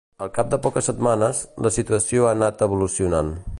Al cap de poques setmanes, la situació ha anat evolucionant.